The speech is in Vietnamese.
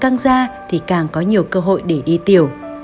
càng càng da thì càng có nhiều cơ hội để đi tiểu